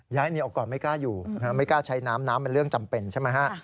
ให้เมียออกก่อนไม่กล้าอยู่ไม่กล้าใช้น้ำน้ำมันเรื่องจำเป็นใช่ไหมฮะ